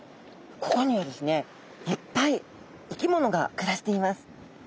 ここにはですねいっぱい生き物が暮らしています。